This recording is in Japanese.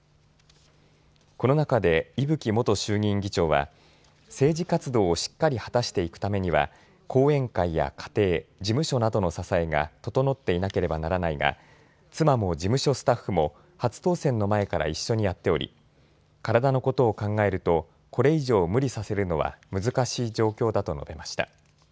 この中で伊吹元衆議院議長は政治活動をしっかり果たしていくためには後援会や家庭、事務所などの支えが整っていなければならないが妻も事務所スタッフも初当選の前から一緒にやっており、体のことを考えるとこれ以上無理させるのは難しい状況だと述べました。